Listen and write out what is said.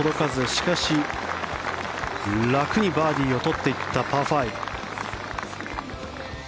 しかし、楽にバーディーをとっていった